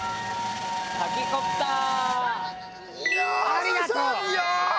ありがとう！